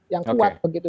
yang kuat begitu